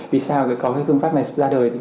vì sao có phương pháp này ra đời